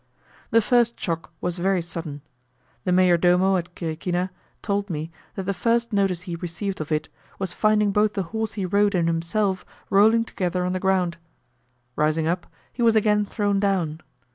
The first shock was very sudden. The mayor domo at Quiriquina told me, that the first notice he received of it, was finding both the horse he rode and himself, rolling together on the ground. Rising up, he was again thrown down.